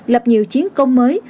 lập nhiều chiến công mới